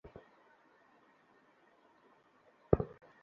কথা ঘুরিয়ে প্যাচিয়ে না বলে, কী লাগবে বলে ফেলো।